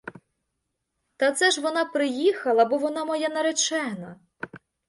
Та це ж вона приїхала, бо вона моя наречена!